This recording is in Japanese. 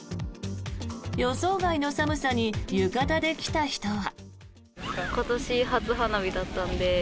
予想外の寒さに浴衣で来た人は。